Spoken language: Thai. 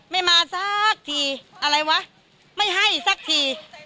ไม่มาสักทีอะไรวะไม่ให้สักที